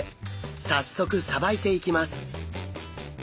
早速さばいていきます！